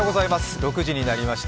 ６時になりました。